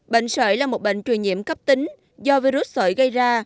bệnh sởi là một bệnh truyền nhiễm cấp tính do virus sởi gây ra